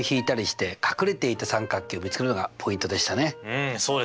うんそうです